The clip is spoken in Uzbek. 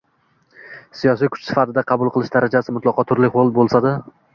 siyosiy kuch sifatida qabul qilish darajasi mutlaqo turli xil bo‘lsa-da;